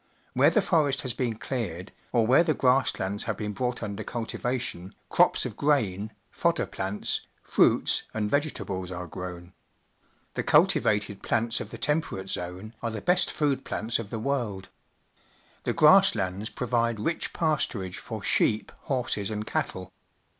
Where the forest has been cleared, or where the grass lands have been brought mider cultivation, crops of grain, fodder plants, fruits, and vegetables are grown. The culti vated plants of the Temperate Zone are the best food plants of the world. The grass 1 CLIMATE AND LIFE 53 lands proA^de rich pasturage for sheep, horses, and cattle.